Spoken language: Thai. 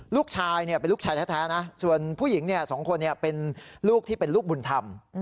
ลูกชายเป็นลูกชายแท้นะส่วนผู้หญิงสองคนเป็นลูกที่เป็นลูกบุญธรรม